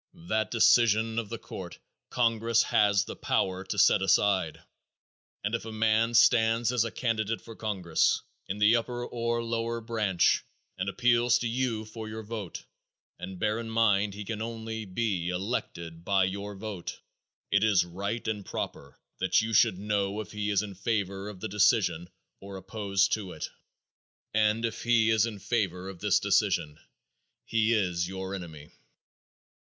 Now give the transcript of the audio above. That decision of the court congress has the power to set aside, and if a man stands as a candidate for congress, in the upper or lower branch, and appeals to you for your vote and bear in mind he can only be elected by your vote it is right and proper that you should know if he is in favor of the decision or opposed to it. And if he is in favor of this decision he is your enemy.